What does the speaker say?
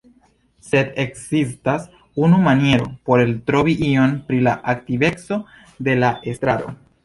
Sed ekzistas unu maniero por eltrovi iom pri la aktiveco de la estraro.